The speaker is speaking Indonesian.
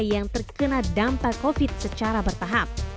yang terkena dampak covid secara bertahap